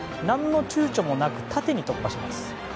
何の躊躇もなく縦に突破します。